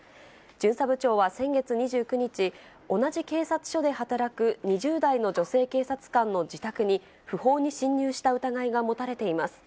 巡査部長は先月２９日、同じ警察署で働く２０代の女性警察官の自宅に、不法に侵入した疑いが持たれています。